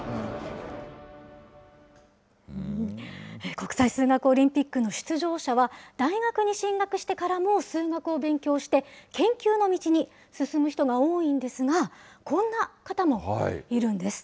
国際数学オリンピックの出場者は、大学に進学してからも数学を勉強して、研究の道に進む人が多いんですが、こんな方もいるんです。